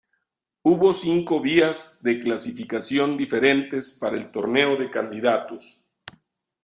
Hubo cinco vías de clasificación diferentes para el Torneo de Candidatos.